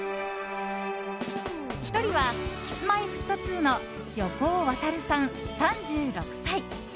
１人はＫｉｓ‐Ｍｙ‐Ｆｔ２の横尾渉さん、３６歳。